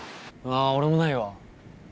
ああ俺もないわ。